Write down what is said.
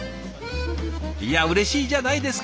いやうれしいじゃないですか！